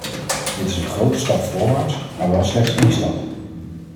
Dit is een grote stap voorwaarts, maar wel slechts één stap.